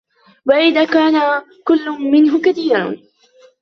وَإِنْ كَانَ كُلٌّ مِنْهُ كَثِيرًا